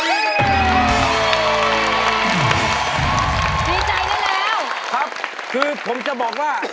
ดีใจได้แล้วครับคือผมจะบอกว่า